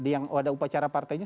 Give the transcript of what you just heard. yang ada upacara partainya